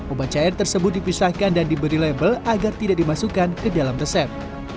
obat cair tersebut dipisahkan dan diberi label agar tidak dimasukkan ke dalam resep